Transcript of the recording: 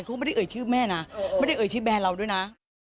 เขาไม่ได้เอ่ยชื่อแม่นะไม่ได้เอ่ยชื่อแบรนดเราด้วยนะ